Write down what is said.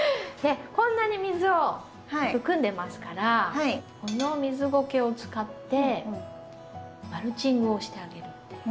こんなに水を含んでますからこの水ごけを使ってマルチングをしてあげるっていう。